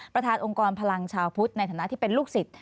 ประธานองค์กรพลังชาวพุทธในฐานะที่เป็นลูกศิษย